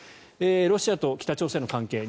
ロシアと北朝鮮の関係